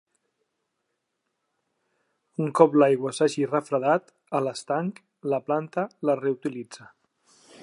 Un cop l'aigua s'hagi refredat a l'estanc, la planta la reutilitza.